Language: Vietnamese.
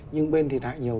nhưng bên thiệt hại nhiều